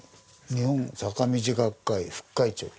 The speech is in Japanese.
日本坂道学会副会長。